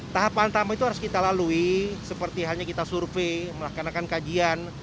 tahap pertama itu harus kita lalui seperti halnya kita survei melakukan kajian